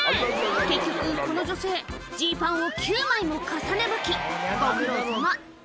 結局この女性ジーパンを９枚も重ねばきご苦労さま